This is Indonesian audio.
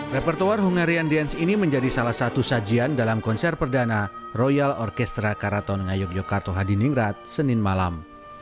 repertuar hungarian dance ini menjadi salah satu sajian dalam konser perdana royal orkestra karaton ngayog yogyakarta hadiningrat senin malam